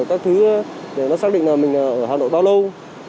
các thứ để nó xác định là mình ở hà nội bao lâu